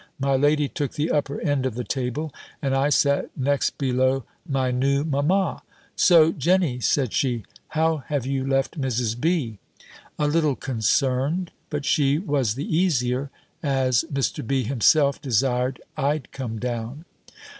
My lady took the upper end of the table, and I sat next below my new mamma. "So, Jenny," said she, "how have you left Mrs. B.?" "A little concerned; but she was the easier, as Mr. B. himself desired I'd come down."